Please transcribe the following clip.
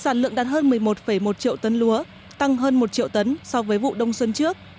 sản lượng đạt hơn một mươi một một triệu tấn lúa tăng hơn một triệu tấn so với vụ đông xuân trước